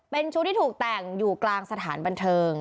เป็นชุดที่ถูกแต่งอยู่กลางสถานบันเทิง